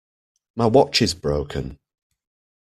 My watch is broken.